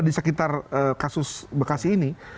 di sekitar kasus bekasi ini